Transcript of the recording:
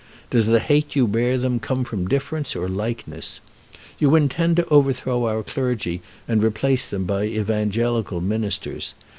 Does the hate you bear them come from difference or likeness? You intend to overthrow our clergy and replace them by evangelical ministers.